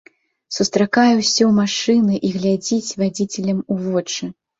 Сустракае ўсе машыны і глядзіць вадзіцелям у вочы.